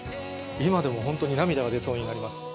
今でもホントに涙が出そうになります。